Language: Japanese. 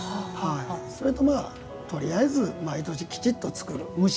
それととりあえず毎年きちっと作る。